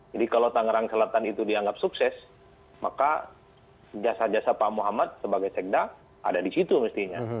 jadi kalau tangerang selatan itu dianggap sukses maka jasa jasa pak muhammad sebagai sekda ada di situ mestinya